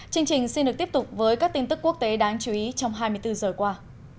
chương trình xin được tiếp tục với các tin tức quốc tế đáng chú ý trong hai mươi bốn giờ qua